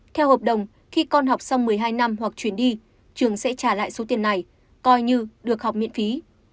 theo hợp đồng khi con học xong một mươi hai năm hoặc chuyển đi trường sẽ trả lại số tiền này coi như được học miễn phí